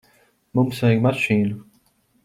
Mums vajag mašīnu.